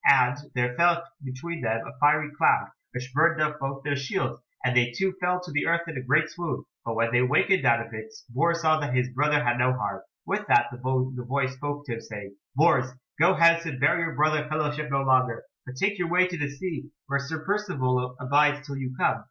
And there fell between them a fiery cloud, which burned up both their shields, and they two fell to the earth in a great swoon; but when they awakened out of it Bors saw that his brother had no harm. With that the voice spoke to him saying, "Bors, go hence and bear your brother fellowship no longer; but take your way to the sea, where Sir Percivale abides till you come."